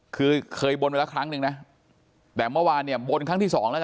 คือเคยบนไว้แล้วครั้งหนึ่งนะแต่เมื่อวานเนี่ยบนครั้งที่สองแล้วนะ